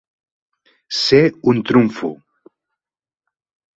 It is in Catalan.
Ser un trumfo.